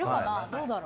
どうだろう？